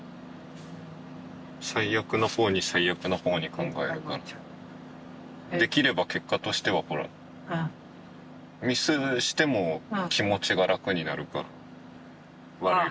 最悪な方に最悪な方に考えるからできれば結果としてはほらミスしても気持ちが楽になるから。